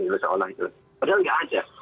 padahal tidak ada